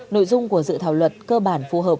nội dung của dự thảo luật cơ bản phù hợp